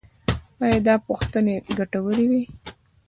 ایا دا پوښتنې ګټورې وې؟